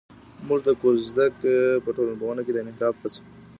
موږ د کوږتګ په ټولنپوهنه کې د انحراف بحث کوو.